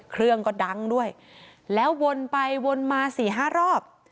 เครื่องก็ดังด้วยแล้ววนไปวนมาสี่ห้ารอบ